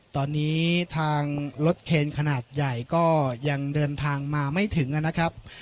ตอนนี้ทางรถเคนขนาดใหญ่ก็ยังเดินทางมาไม่ถึงนะครับ